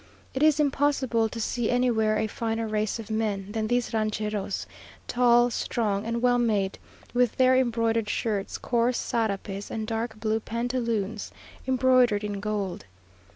It is impossible to see anywhere a finer race of men than these rancheros tall, strong, and well made, with their embroidered shirts, coarse sarapes, and dark blue pantaloons embroidered in gold.